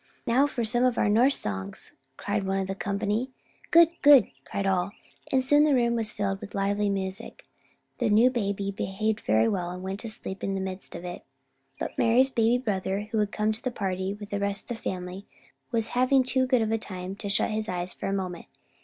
"Now for some of our Norse songs," cried one of the company. "Good, good," cried all, and soon the room was filled with lively music. The new baby behaved very well, and went to sleep in the midst of it. But Mari's baby brother, who had come to the party with the rest of the family, was having too good a time to shut his eyes for a moment.